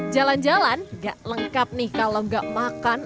jalan jalan gak lengkap nih kalau nggak makan